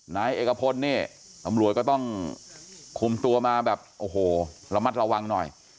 นายเอกพลนี่ตำรวจก็ต้องคุมตัวมาแบบโอ้โหระมัดระวังหน่อย